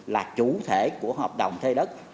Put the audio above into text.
là chủ thể của hợp đồng thuê đất